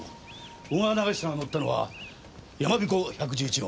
小川長久が乗ったのはやまびこ１１１号。